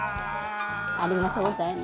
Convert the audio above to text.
ありがとうございます。